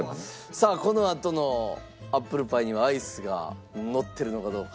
さあこのあとのアップルパイにはアイスがのってるのかどうか。